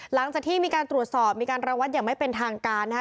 หลังจากที่มีการตรวจสอบมีการระวัดอย่างไม่เป็นทางการนะคะ